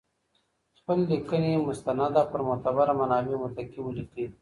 خپل لیکنې مستند او پر معتبره منابعو متکي ولیکئ.